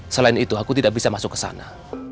selain itu aku tidak bisa masuk ke sana